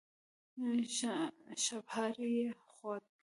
شڼهاری يې خوت.